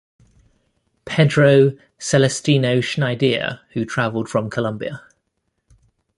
Pedro Celestino Schniedier who traveled from Colombia.